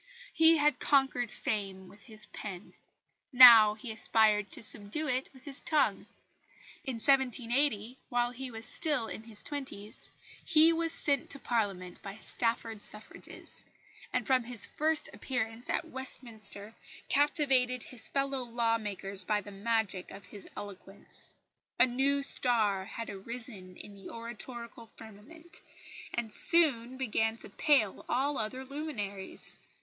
He had conquered fame with his pen; now he aspired to subdue it with his tongue. In 1780, while he was still in the twenties, he was sent to Parliament by Stafford suffrages; and from his first appearance at Westminster captivated his fellow law makers by the magic of his eloquence. A new star had arisen in the oratorical firmament, and soon began to pale all other luminaries.